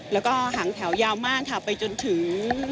แล้วก็หางแถวยาวมากค่ะไปจนถึง